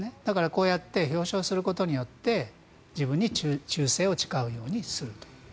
こうやって表彰することによって自分に忠誠を誓うようにすると。